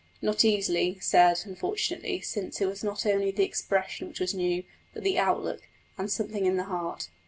Not easily said, unfortunately; since it was not only the expression that was new, but the outlook, and something in the heart.